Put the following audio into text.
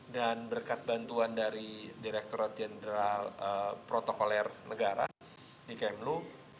dan berkat bantuan dari direkturat jenderal protokol negara di kmu